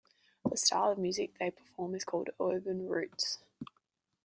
The style of music they perform is called urban roots.